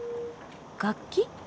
・楽器？